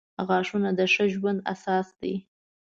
• غاښونه د ښه ژوند اساس دي.